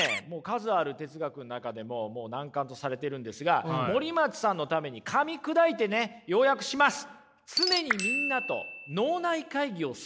数ある哲学の中でももう難関とされているんですが森松さんのためにかみ砕いてね要訳します。